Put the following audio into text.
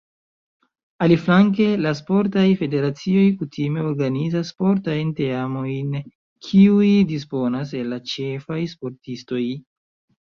Aliflanke, la sportaj federacioj kutime organizas sportajn teamojn, kiuj disponas el la ĉefaj sportistoj.